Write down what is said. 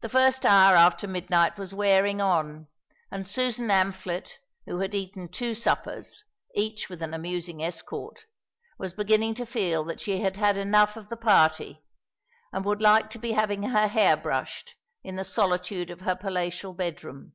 The first hour after midnight was wearing on, and Susan Amphlett, who had eaten two suppers, each with an amusing escort, was beginning to feel that she had had enough of the party and would like to be having her hair brushed in the solitude of her palatial bedroom.